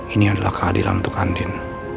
ini adalah kehadiran untuk andin